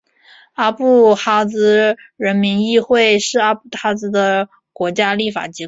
阿布哈兹人民议会是阿布哈兹的国家立法机关。